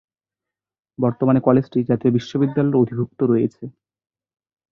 বর্তমানে কলেজটি জাতীয় বিশ্ববিদ্যালয়ের অধিভুক্ত রয়েছে।